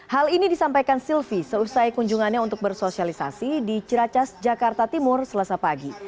hal ini disampaikan silvi selesai kunjungannya untuk bersosialisasi di ciracas jakarta timur selasa pagi